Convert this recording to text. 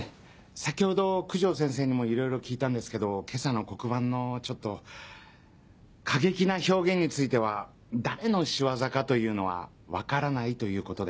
先ほど九条先生にもいろいろ聞いたんですけど今朝の黒板のちょっと過激な表現については誰の仕業かというのは分からないということで。